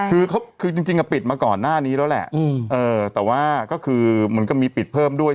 คือเขาคือจริงจริงกับปิดมาก่อนหน้านี้แล้วแหละอืมเออแต่ว่าก็คือมันก็มีปิดเพิ่มด้วย